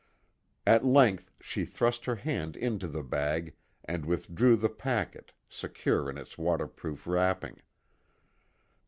At length she thrust her hand into the bag and withdrew the packet, secure in its waterproof wrapping.